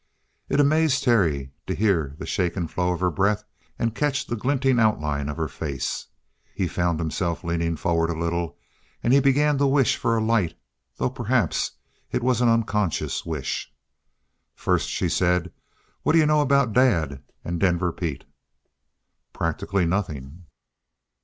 It amazed Terry to hear the shaken flow of her breath and catch the glinting outline of her face. He found himself leaning forward a little; and he began to wish for a light, though perhaps it was an unconscious wish. "First," she said, "what d'you know about Dad and Denver Pete?" "Practically nothing."